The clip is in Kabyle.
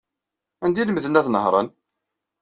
Anda ay lemden ad nehṛen?